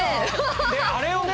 であれをね。